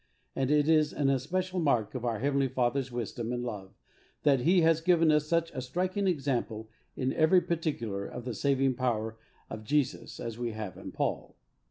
And it is an especial mark of our Heavenly Fathers wisdom and love that He has given us such a striking example in every particular of the saving power of Jesus as we have in Paul.